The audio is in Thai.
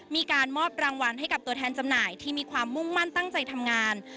มีการมอบรางวัลให้กับตัวแทนจำหน่ายที่มีความมุ่งมั่นตั้งใจทำงาน